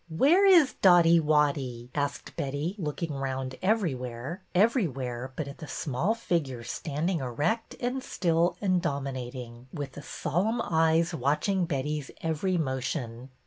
" Where is Dotty Wotty? " asked Betty, look ing round everywhere, everywhere but at the small figure standing erect and still and dominat ing, with the solemn eyes watching Betty's every motion.